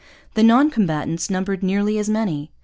The non combatants numbered nearly as many.